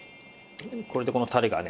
これでこのタレがね